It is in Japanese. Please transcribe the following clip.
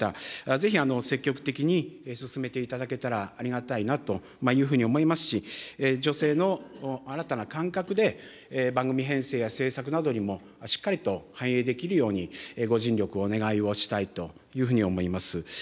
ぜひ積極的に進めていただけたらありがたいなというふうに思いますし、女性の新たな感覚で、番組編成や制作などにもしっかりと反映できるように、ご尽力をお願いをしたいというふうに思います。